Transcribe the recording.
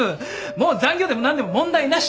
もう残業でも何でも問題なし。